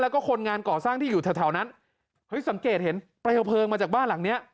แล้วก็คนงานก่อสร้างที่อยู่แถวนั้นเฮ้ยสังเกตเห็นเปลวเพลิงมาจากบ้านหลังเนี้ย